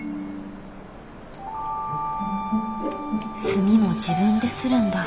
墨も自分でするんだ。